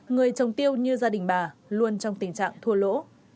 người trồng tiêu như gia đình bà luôn trong tình trạng thua lỗ